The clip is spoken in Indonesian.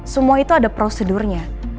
semua itu ada prosedurnya